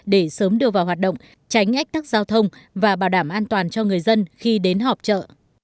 để sớm đưa vào hoạt động tránh ách tắc giao thông và bảo đảm an toàn cho người dân khi đến họp chợ